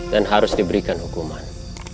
dan harus di berikan hukuman